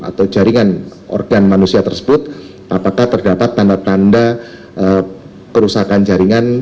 atau jaringan organ manusia tersebut apakah terdapat tanda tanda kerusakan jaringan